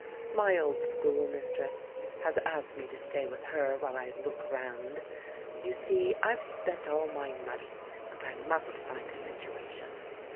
My old schoolmistress has asked me to stay with her while I 'look round' — you see, I've spent all my money, and I must find a situation.